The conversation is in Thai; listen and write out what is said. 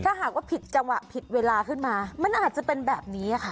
ถ้าหากว่าผิดจังหวะผิดเวลาขึ้นมามันอาจจะเป็นแบบนี้ค่ะ